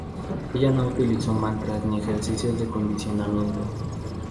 Ella no utilizó mantras ni ejercicios de condicionamiento.